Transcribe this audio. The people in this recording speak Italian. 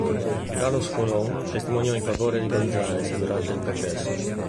Carlos Colón testimoniò in favore di González durante il processo.